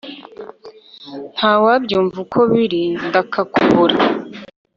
ntawabyumva uko biri ndakakubura